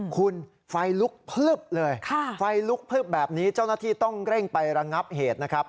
คุณไฟลุกพลึบเลยไฟลุกพลึบแบบนี้เจ้าหน้าที่ต้องเร่งไประงับเหตุนะครับ